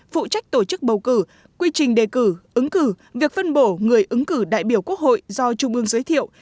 phụ trách tổ chức bầu cử quy trình đề cử ứng cử việc phân bổ người ứng cử đại biểu quốc hội do trung ương giới thiệu